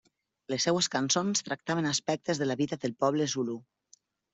Les seves cançons tractaven aspectes de la vida de poble zulú.